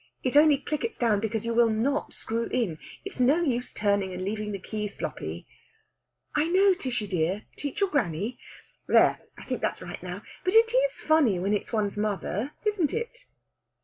It only clickets down because you will not screw in; it's no use turning and leaving the key sloppy...." "I know, Tishy dear teach your granny! There, I think that's right now. But it is funny when it's one's mother, isn't it?"